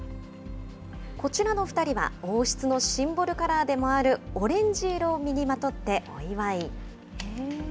こちらの２人は、王室のシンボルカラーでもあるオレンジ色を身にまとってお祝い。